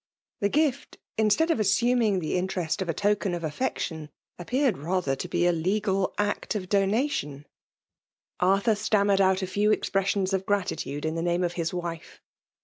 The gift, instead of assuming Ae interest of a token of affection, appeared rather to be a legal act of donation^ Arthur stammered out a few expressions of gratitude m the name of his wife.